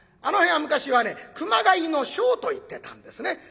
あの辺は昔はね熊谷の庄と言ってたんですね。